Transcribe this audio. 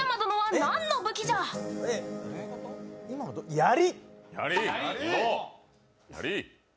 やり！